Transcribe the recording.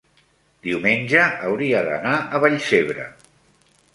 diumenge hauria d'anar a Vallcebre.